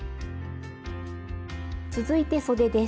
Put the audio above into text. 続いてそでです。